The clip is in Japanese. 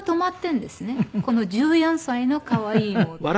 この１４歳の可愛い妹が。